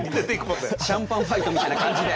シャンパンファイトみたいな感じで？